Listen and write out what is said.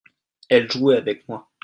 elle jouait avec moi.